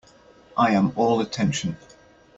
I am all attention.